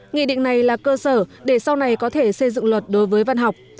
nghị định này là cơ sở để sau này có thể xây dựng luật đối với văn học